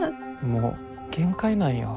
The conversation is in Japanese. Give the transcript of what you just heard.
もう限界なんよ。